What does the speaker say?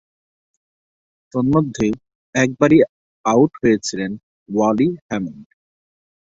তন্মধ্যে একবারই আউট হয়েছিলেন ওয়ালি হ্যামন্ড।